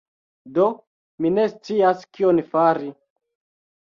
Do, mi ne scias kion fari...